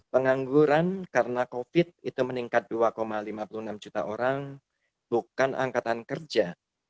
pengangguran karena covid itu meningkat dua lima puluh enam juta orang bukan angkatan kerja